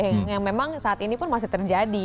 yang memang saat inipun masih terjadi